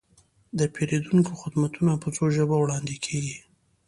د پیرودونکو خدمتونه په څو ژبو وړاندې کیږي.